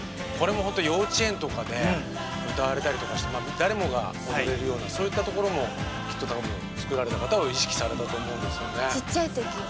これもほんと幼稚園とかで歌われたりとかして誰もが踊れるようなそういったところもきっと多分作られた方は意識されたと思うんですよね。